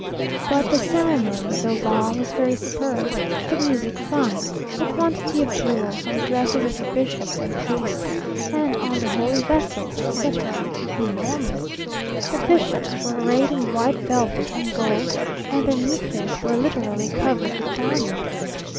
But the ceremony, though long, was very superb, the music fine, the quantity of jewels on the dresses of the bishops and priests, and on the holy vessels, etc., enormous. The bishops were arrayed in white velvet and gold, and their mitres were literally covered with diamonds.